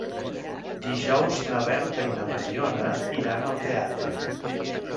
Dijous na Berta i na Mariona iran al teatre.